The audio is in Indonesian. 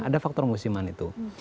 ada faktor musiman itu